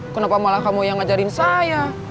kenapa malah kamu yang ngajarin saya